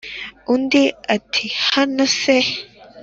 Undi ati"hano se